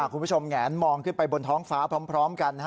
คุณผู้ชมแหงนมองขึ้นไปบนท้องฟ้าพร้อมกัน